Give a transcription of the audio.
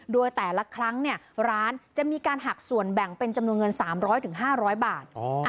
โดยแต่ละครั้งเนี่ยร้านจะมีการหักส่วนแบ่งเป็นจำนวนเงินสามร้อยถึงห้าร้อยบาท